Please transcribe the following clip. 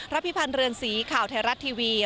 พิพันธ์เรือนสีข่าวไทยรัฐทีวี